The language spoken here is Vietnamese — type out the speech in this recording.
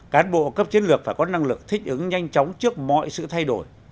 cán bộ cấp chiến lược phải có năng lực thích ứng nhanh chóng trước mọi sự thay đổi